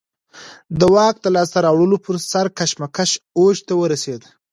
د واک د لاسته راوړلو پر سر کشمکش اوج ته ورسېد.